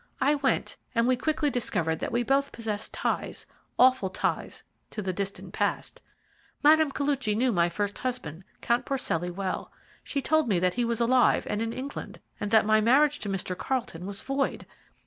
I went, and we quickly discovered that we both possessed ties, awful ties, to the dismal past. Mme. Koluchy knew my first husband, Count Porcelli, well. She told me that he was alive and in England, and that my marriage to Mr. Carlton was void.